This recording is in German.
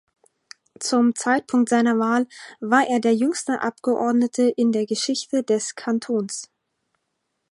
Zum Zeitpunkt seiner Wahl war er der jüngste Abgeordnete in der Geschichte des Kantons.